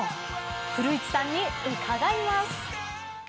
古市さんに伺います。